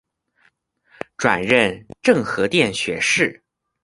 转任政和殿学士。